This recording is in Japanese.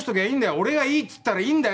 俺がいいつったらいいんだよ。